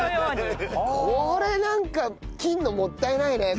これなんか切るのもったいないね。